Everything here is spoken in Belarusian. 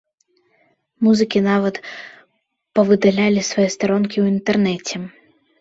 Музыкі нават павыдалялі свае старонкі ў інтэрнэце.